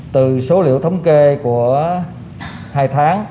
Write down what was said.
từ số liệu thống kê của hai tháng